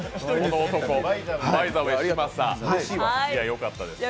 よかったですよね。